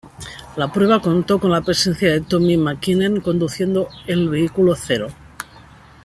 La prueba contó con la presencia de Tommi Mäkinen conduciendo el vehículo cero.